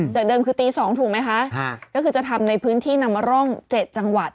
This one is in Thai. เดิมคือตี๒ถูกไหมคะก็คือจะทำในพื้นที่นำร่อง๗จังหวัด